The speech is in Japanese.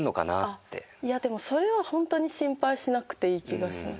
いやでもそれは本当に心配しなくていい気がします。